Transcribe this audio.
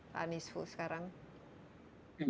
pak anis vu sekarang